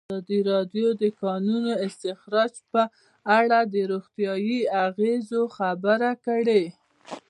ازادي راډیو د د کانونو استخراج په اړه د روغتیایي اغېزو خبره کړې.